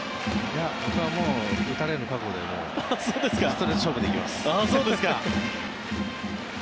僕は打たれる覚悟でストレート勝負で行きます。